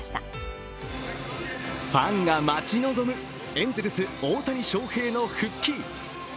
ファンが待ち望むエンゼルス・大谷翔平の復帰